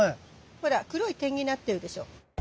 ほら黒い点になってるでしょ。